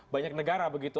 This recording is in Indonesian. banyak negara begitu